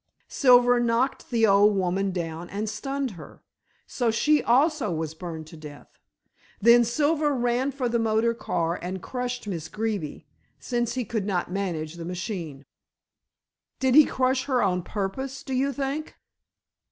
Silver knocked the old woman down and stunned her, so she also was burned to death. Then Silver ran for the motor car and crushed Miss Greeby since he could not manage the machine." "Did he crush her on purpose, do you think?"